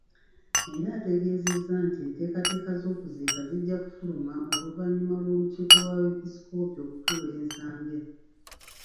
Era ategezezza nti enteekateeka z'okuziika zijja kufuluma oluvannyuma lw'olukiiko lw'abepiskoopi okutuula e Nsambya.